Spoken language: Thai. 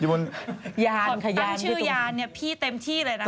ยานค่ะยานพี่ตุ้งตั้งชื่อยานเนี่ยพี่เต็มที่เลยนะคะ